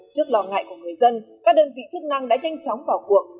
trước lo ngại của người dân các đơn vị chức năng đã nhanh chóng vào cuộc